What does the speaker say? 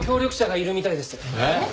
えっ？